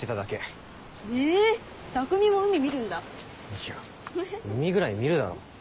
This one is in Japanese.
いや海ぐらい見るだろ。